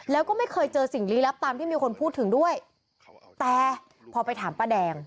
แล้วก็ไม่เคยเจอสิ่งลี้ลับตามที่มีคนพูดถึงด้วยแต่พอไปถามป้าแดง